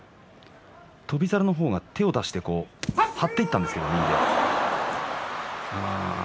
翔猿の方が手を出して張っていったんですけどね。